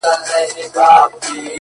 • خواږه یاران وه پیالې د مُلو ,